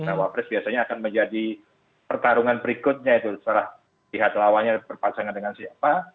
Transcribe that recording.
cawapres biasanya akan menjadi pertarungan berikutnya itu setelah pihak lawannya berpasangan dengan siapa